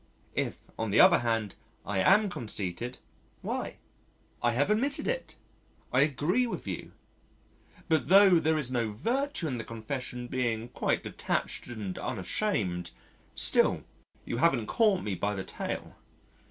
If, on the other hand, I am conceited, why I have admitted it I agree with you but tho' there is no virtue in the confession being quite detached and unashamed still you haven't caught me by the tail.